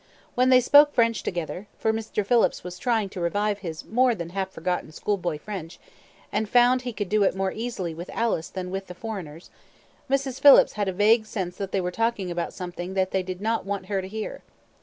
When they spoke French together for Mr. Phillips was trying to revive his more than half forgotten schoolboy French, and found he could do it more easily with Alice than with the foreigners Mrs. Phillips had a vague sense that they were talking about something that they did not want her to hear.